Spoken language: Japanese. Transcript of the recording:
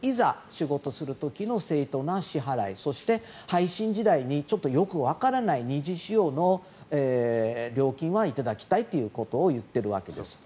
仕事をする時の正当な支払いそして、配信時代によくわからない二次使用の料金は頂きたいということを言っているわけです。